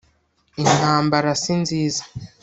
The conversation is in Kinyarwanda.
intambara si nziza